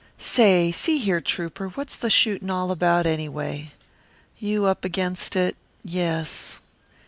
"Say, see here, Trouper, what's the shootin' all about, anyway? You up against it yes."